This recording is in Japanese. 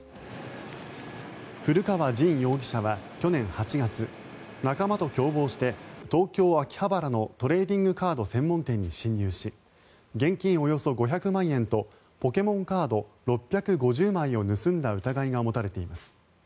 古川刃容疑者は去年８月仲間と共謀して東京・秋葉原のトレーディングカード専門店に侵入し現金およそ５００万円とポケモンカード６５０枚を盗んだ疑いが持たれています。